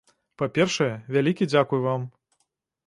Па-першае, вялікі дзякуй вам.